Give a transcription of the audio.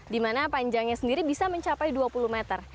dimana panjangnya sendiri bisa mencapai dua puluh meter